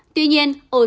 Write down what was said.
tuy nhiên ổn định